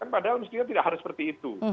padahal mestinya tidak harus seperti itu